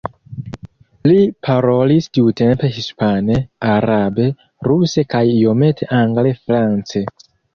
Li parolis tiutempe hispane, arabe, ruse kaj iomete angle, france.